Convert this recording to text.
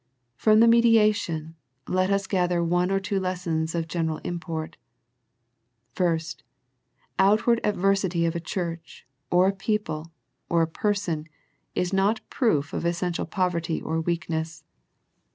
From the meditation, let us gather one or two lessons of general import. First, outward adversity of a church or a people or a person IS not a proof of essential poverty or weakness.